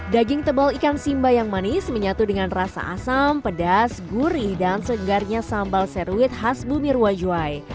daging tebal ikan simba yang manis menyatu dengan rasa asam pedas gurih dan segarnya sambal seruit khas bumi ruwajuai